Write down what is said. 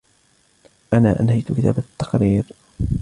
أنا أنهيت كتابة التقرير.